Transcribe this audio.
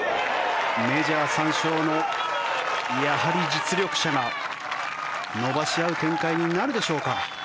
メジャー３勝のやはり実力者が伸ばし合う展開になるでしょうか。